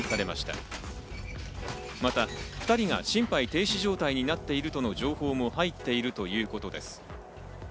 また２人が心肺停止状態になっているとの情報も入っているということです。